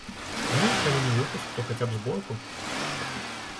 Ну, калі не выпуск, то хаця б зборку?